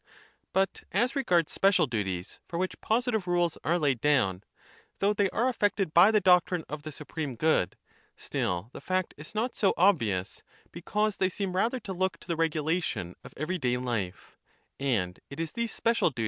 But as regards special duties for which positive rules are laid down, though they are affected by the doctrine of the supreme good, still the fact is not so obvious, because they seem rather to look to the regulation of every day 9 CICERO DE OFFICITS nobis his libris explicandum.